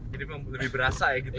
jadi memang lebih berasa ya gitu ya